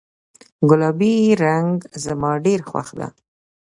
ګلابي رنګ زما ډیر خوښ ده